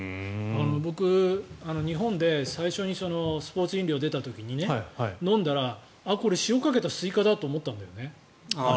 僕、日本で最初にスポーツ飲料が出た時に飲んだらこれ、塩をかけたスイカだって思ったんだよね。